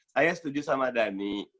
saya setuju sama dhani